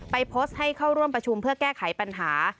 โพสต์ให้เข้าร่วมประชุมเพื่อแก้ไขปัญหา